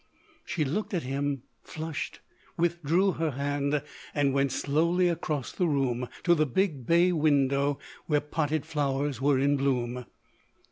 She looked at him, flushed, withdrew her hand and went slowly across the room to the big bay window where potted flowers were in bloom.